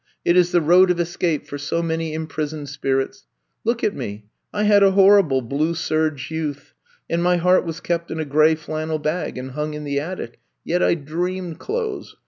It is the road of escape for so many imprisoned spirits. Look at me. I had a horrible blue serge youth, and my heart was kept in a gray flannel bag and hung in the attic. Yet I dreamed clothes.